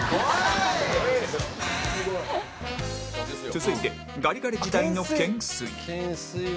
続いてガリガリ時代のけんすい